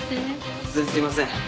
突然すいません。